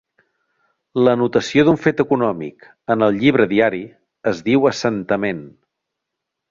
L'anotació d'un fet econòmic en el llibre Diari es diu assentament.